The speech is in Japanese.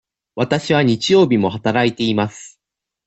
わたしは日曜日も働いています。